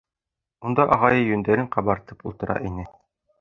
Унда Ағайы йөндәрен ҡабартып ултыра ине.